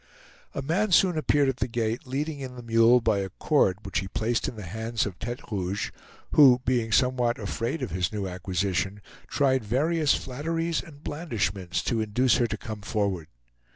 A man soon appeared at the gate, leading in the mule by a cord which he placed in the hands of Tete Rouge, who, being somewhat afraid of his new acquisition, tried various flatteries and blandishments to induce her to come forward.